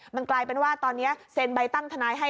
มันกลายเป็นว่าตอนนี้เซ็นใบตั้งทนายให้